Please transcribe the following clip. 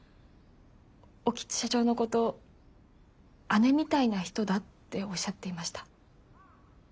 興津社長のこと姉みたいな人だっておっしゃっていました。